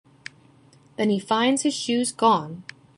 Then he finds his shoes gone.